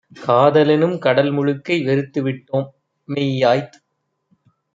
காதலெனும் கடல்முழுக்கை வெறுத்துவிட்டோ ம். மெய்யாய்த்